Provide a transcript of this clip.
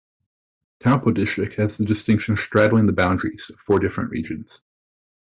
Taupo District has the distinction of straddling the boundaries of four different regions.